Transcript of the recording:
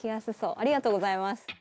ありがとうございます。